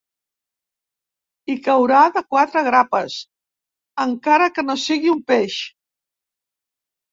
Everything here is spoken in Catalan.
Hi caurà de quatre grapes, encara que no sigui un peix.